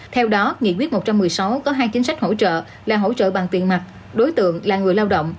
theo đó nghị quyết một trăm một mươi sáu có hai chính sách hỗ trợ là hỗ trợ bằng tiền mặt đối tượng là người lao động